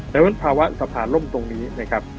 ในวันภาวะสะพานล่มตรงนี้